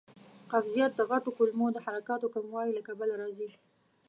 قبضیت د غټو کولمو د حرکاتو کموالي له کبله راځي.